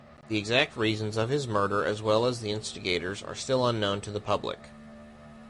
The exact reasons of his murder as well as the instigators are still unknown to the public.